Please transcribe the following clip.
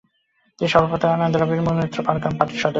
তিনি সর্বভারতীয় আন্না দ্রাবিড় মুনেত্র কাড়গম পার্টির সদস্য।